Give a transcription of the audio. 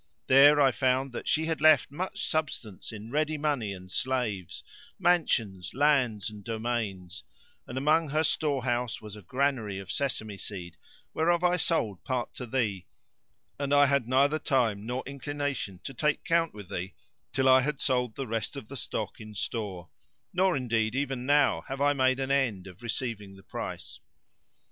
There I found that she had left much substance in ready money and slaves, mansions, lands and domains, and among her store houses was a granary of sesame seed, whereof I sold part to thee; and I had neither time nor inclination to take count with thee till I had sold the rest of the stock in store; nor, indeed, even now have I made an end of receiving the price.